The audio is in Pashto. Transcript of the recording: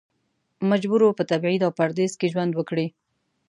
مجبور و په تبعید او پردیس کې ژوند وکړي.